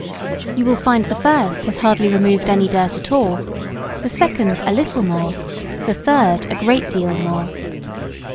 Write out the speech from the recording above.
You will find the first has hardly removed any dirt at all, the second a little more, the third a great deal more.